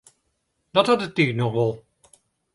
Dat hat de tiid noch wol.